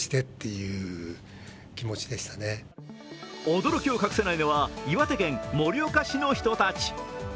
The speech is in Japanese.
驚きを隠せないのは岩手県盛岡市の人たち。